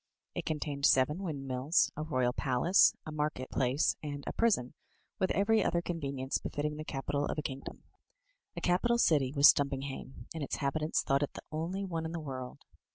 It contained seven windmills, a royal palace, a market place, and a prison, with every other convenience .befitting the capital of a kingdom. A capital city was Stumpinghame, and its inhabitants thought it the only one in the world.